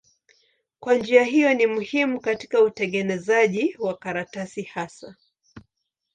Kwa njia hiyo ni muhimu katika utengenezaji wa karatasi hasa.